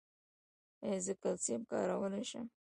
ایا زه کلسیم کارولی شم؟